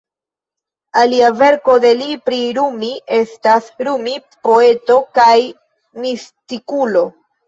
Alia verko de li pri Rumi estas: Rumi, poeto kaj mistikulo.